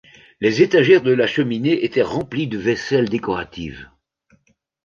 Les étagères de la cheminée étaient remplies de vaisselle décorative.